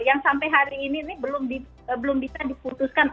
yang sampai hari ini belum bisa diputuskan